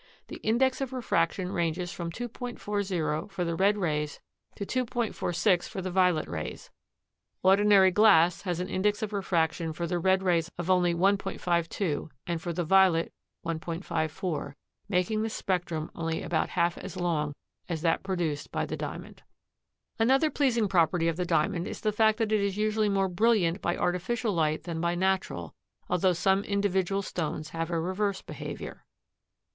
The index of refraction ranges from 2.40 for the red rays to 2.46 for the violet rays. Ordinary glass has an index of refraction for the red rays of only 1.52 and for the violet 1.54, making the spectrum only about half as long as that produced by the Diamond. Another pleasing property of the Diamond is the fact that it is usually more brilliant by artificial light than by natural, although some individual stones have a reverse behavior.